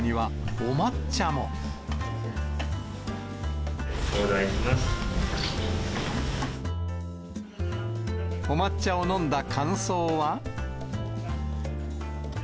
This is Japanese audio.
お抹茶を飲んだ感想は。